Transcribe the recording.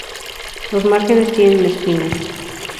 Los márgenes tienen espinas.